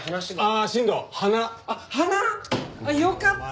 あっよかった。